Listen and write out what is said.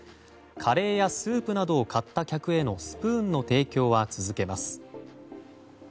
カレーやスープなどを買った客へのスプーンの提供は続けます。